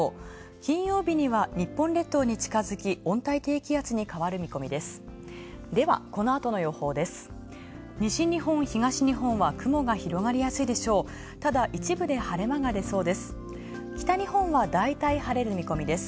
金曜日には日本列島に近づき温帯低気圧に変わる見込みです。